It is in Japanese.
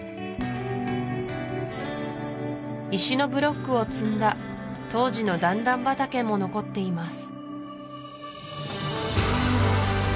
石のブロックを積んだ当時の段々畑も残っています